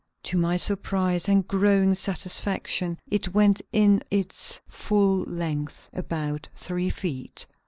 To my surprise and growing satisfaction it went in its full length about three feet.